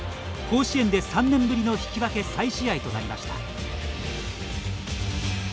甲子園で３年ぶりの引き分け再試合となりました。